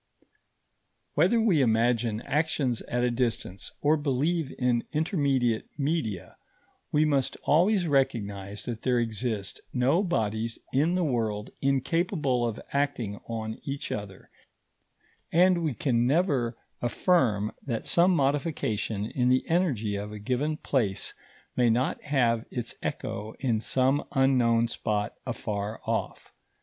Whether we imagine actions at a distance or believe in intermediate media, we must always recognise that there exist no bodies in the world incapable of acting on each other, and we can never affirm that some modification in the energy of a given place may not have its echo in some unknown spot afar off.